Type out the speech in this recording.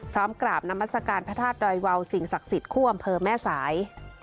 พร้อมกราบนามัศกาลพระธาตุดอยวาวสิ่งศักดิ์สิทธิคู่อำเภอแม่สาย